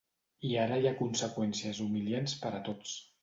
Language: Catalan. I ara hi ha conseqüències humiliants per a tots.